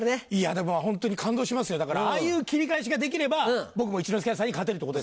でもホントに感動しますよだからああいう切り返しができれば僕も一之輔兄さんに勝てるってことですよね？